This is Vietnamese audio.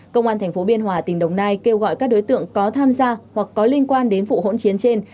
công an tp biên hòa tỉnh đồng nai kêu gọi các đối tượng có tham gia hoặc có liên quan đến vụ hỗn chiến trên